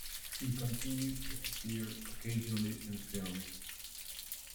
He continued to appear occasionally in films.